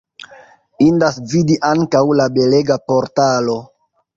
Indas vidi ankaŭ la belega portalo.